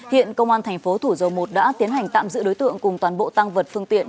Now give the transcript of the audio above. hiện công an thành phố thủ dầu một đã tiến hành tạm giữ đối tượng cùng toàn bộ tăng vật phương tiện